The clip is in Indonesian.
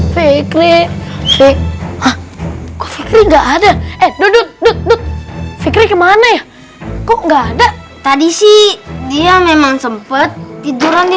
fikri fikri enggak ada duduk fikri kemana ya kok nggak ada tadi sih dia memang sempet tiduran di